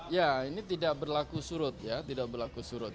ya ini tidak berlaku surut ya tidak berlaku surut